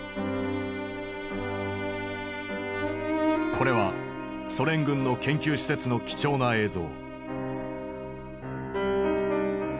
これはソ連軍の研究施設の貴重な映像。